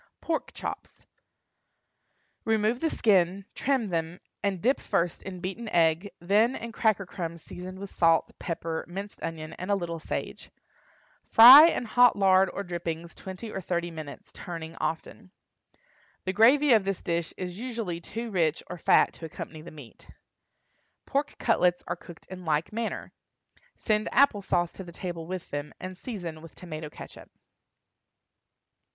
PORK CHOPS. Remove the skin, trim them, and dip first in beaten egg, then in cracker crumbs seasoned with salt, pepper, minced onion, and a little sage. Fry in hot lard or drippings twenty or thirty minutes, turning often. The gravy of this dish is usually too rich or fat to accompany the meat. Pork cutlets are cooked in like manner. Send apple sauce to the table with them, and season with tomato catsup.